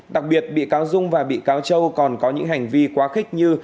đặc biệt bị cáo dung và bị cáo châu còn có những hành vi quá khích như